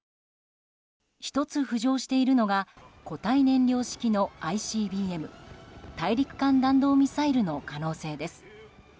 １つ浮上しているのが固体燃料式のＩＣＢＭ・大陸間弾道ミサイルの可能性です。